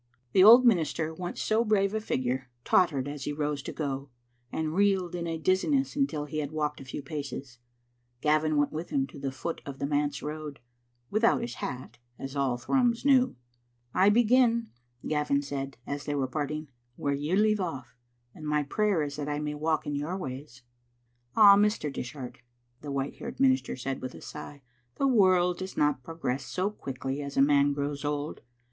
The old minister, once so brave a figure, tottered as he rose to go, and reeled in a dizziness until he had walked a few paces. Gavin went with him to the foot of the manse road ; without his hat, as all Thrums knew before bedtime. Digitized by VjOOQ IC I begin," Gavin said, as they were parting, "where you leave off, and my prayer is that I may walk in yom ways." "Ah, Mr. Dishart," the white haired minister said^ with a sigh, " the world does not progress so quickly as a man grows old.